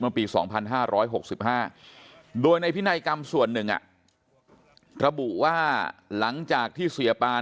ปี๒๕๖๕โดยในพินัยกรรมส่วนหนึ่งระบุว่าหลังจากที่เสียปาน